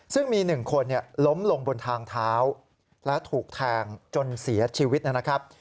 ซึ่งมี๑คนล้มลงบนทางเท้าและถูกแทงจนเสียชีวิตนะครับ